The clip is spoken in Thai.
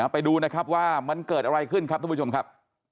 ไปดูนะครับว่ามันเกิดอะไรขึ้นครับทุกผู้ชมครับ